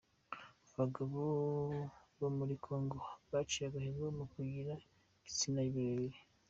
Abagabo bo muri congo baciye agahigo mu kugira ibitsina birebire